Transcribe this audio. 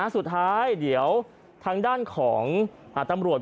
สุดท้ายเดี๋ยวทางด้านของตำรวจ